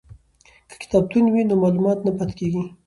که کتابتون وي نو معلومات نه پاتیږي.